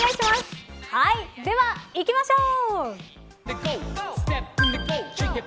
では、いきましょう。